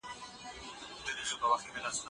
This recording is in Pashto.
د قرانکریم د زده کړې لپاره کومي نوي تګلارې سته؟